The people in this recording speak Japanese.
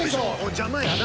邪魔やな！